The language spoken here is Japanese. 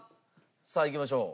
さあいきましょう。